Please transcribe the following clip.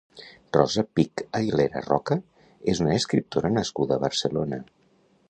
Rosa Pich-Aguilera Roca és una escriptora nascuda a Barcelona.